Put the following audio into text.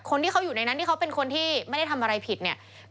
คนที่เขาอยู่ในนั้นที่เขาเป็นคนที่ไม่ได้ทำอะไรผิดเนี่ย